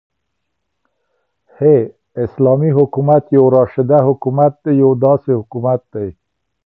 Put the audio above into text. ح : اسلامې حكومت يو راشده حكومت دى يو داسي حكومت دى